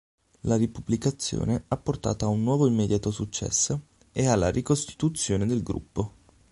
La ripubblicazione ha portato a un nuovo immediato successo e alla ricostituzione del gruppo.